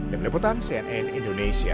demi deputan cnn indonesia